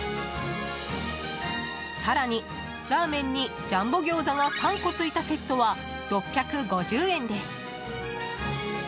更に、ラーメンにジャンボギョーザが３個ついたセットは６５０円です。